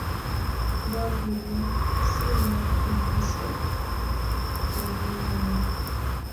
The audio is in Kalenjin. Ngabirun simet igiso komnyei?